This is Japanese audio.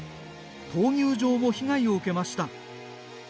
闘牛場も被害を受けました。